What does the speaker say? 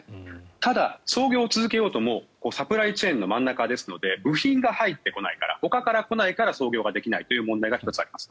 ただ、操業を続けようともサプライチェーンの真ん中ですので部品が入ってこないからほかから入ってこないから操業ができないという問題が１つあります。